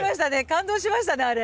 感動しましたねあれ。